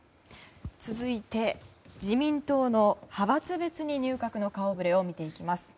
続いて、自民党の派閥別に入閣の顔ぶれを見ていきます。